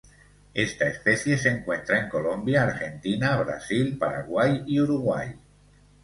Esta especie se encuentra en Colombia Argentina, Brasil, Paraguay y Uruguay.